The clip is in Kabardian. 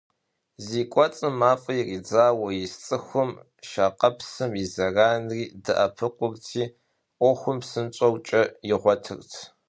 Зи кӏуэцӏым мафӏэ иридзауэ ис цӏыхум шакъэпсым и зэранри «дэӏэпыкъурти», ӏуэхум псынщӏэу кӏэ игъуэтырт.